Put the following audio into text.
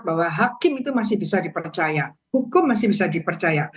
bahwa hakim itu masih bisa dipercaya hukum masih bisa dipercaya